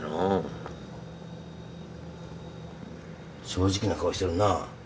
正直な顔してるなあ。